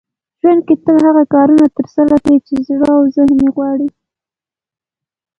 ژوند کې تل هغه کارونه ترسره کړئ چې زړه او ذهن يې غواړي .